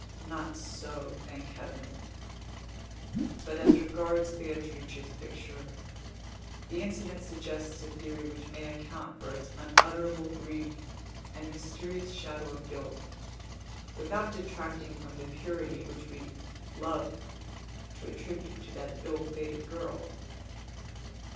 Not so, thank Heaven! But, as regards Beatrice's picture, the incident suggests a theory which may account for its unutterable grief and mysterious shadow of guilt, without detracting from the purity which we love to attribute to that ill fated girl.